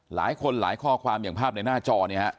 หลายคนหลายค่อความอย่างภาพในหน้าจอ